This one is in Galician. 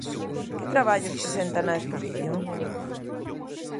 Que traballos presenta na exposición?